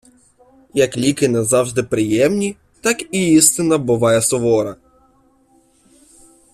Як ліки не завжди приємні, так і істина буває сувора.